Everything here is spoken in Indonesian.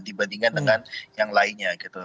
dibandingkan dengan yang lainnya gitu